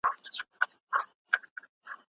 د علم تعريف د وخت په تېرېدو بدل سوی دی.